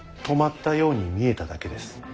止まったように見えただけです。